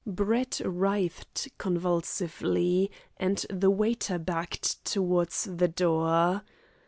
Brett writhed convulsively, and the waiter backed towards the door.